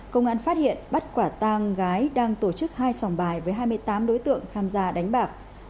công an phát hiện bắt quả tang gái đang tổ chức hai sòng bài với hai mươi tám đối tượng tham gia đánh bạc